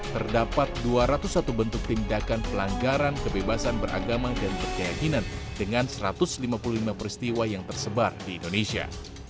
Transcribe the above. terdapat dua ratus satu bentuk tindakan pelanggaran kebebasan beragama dan berkeyakinan dengan satu ratus lima puluh lima peristiwa yang tersebar di indonesia